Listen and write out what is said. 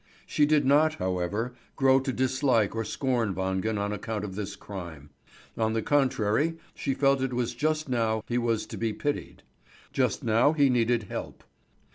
She did not, however, grow to dislike or scorn Wangen on account of this crime. On the contrary she felt it was just now he was to be pitied, just now he needed help.